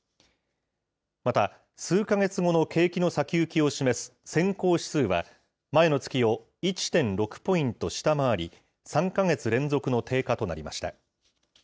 また、数か月後の景気の先行きを示す先行指数は、前の月を１．６ポイント下回り、３か月連続の低下となりました。